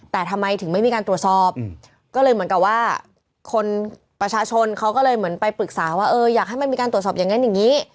แต่ทำไมถึงไม่มีการตรวจสอบก็เลยเหมือนกับว่าคนประชาชนเขาก็เลยเหมือนไปปรึกษาว่าเอออยากให้มันมีการตรวจสอบอย่างนั้นอย่างนี้